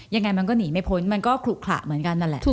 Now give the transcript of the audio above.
ยังไงมันก็หนีไม่พ้นมันก็ขลุขระเหมือนกันนั่นแหละ